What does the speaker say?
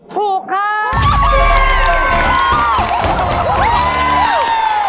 ถูกครับ